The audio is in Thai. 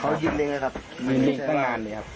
เขายินเร็งนะครับยินเร็งตั้งงานเลยครับ